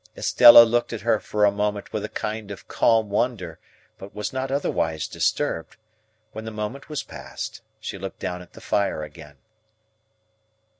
Estella looked at her for a moment with a kind of calm wonder, but was not otherwise disturbed; when the moment was past, she looked down at the fire again.